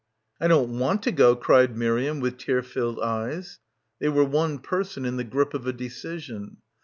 "I don't want to go," cried Miriam with tear filled eyes. They were one person in the grip of a decision.